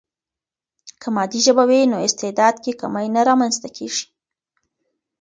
که مادي ژبه وي، نو استعداد کې کمی نه رامنځته کیږي.